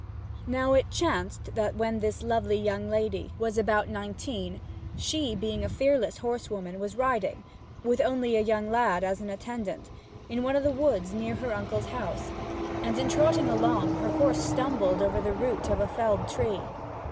Now it chanced that when this lovely young lady was about nineteen, she (being a fearless horsewoman) was riding, with only a young lad as an attendant, in one o' the woods near her uncle's house, and, in trotting along, her horse stumbled over the root of a felled tree.